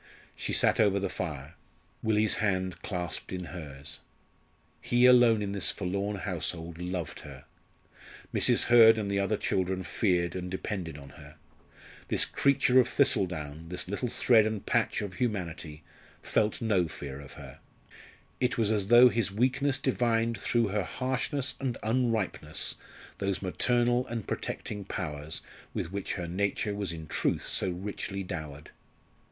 She sat over the fire, Willie's hand clasped in hers. He alone in this forlorn household loved her. Mrs. Hurd and the other children feared and depended on her. This creature of thistle down this little thread and patch of humanity felt no fear of her. It was as though his weakness divined through her harshness and unripeness those maternal and protecting powers with which her nature was in truth so richly dowered.